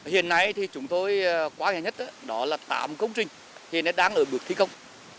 hiện nay thì chúng tôi quá nghe nhất đó là tám công trình hiện đang ở bước thi công